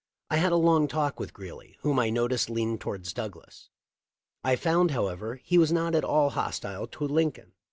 I had a long talk with Geeley, whom I noticed leaned toward Douglas. I found, however, he was not at all hostile to Lincoln.